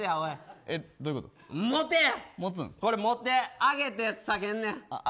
これ持って上げて下げんねん。